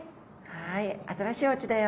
はい新しいおうちだよ。